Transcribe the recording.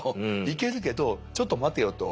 いけるけどちょっと待てよと。